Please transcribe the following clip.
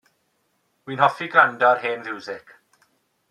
Wi'n hoffi gwrando ar hen fiwsig.